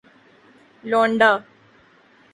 لونڈا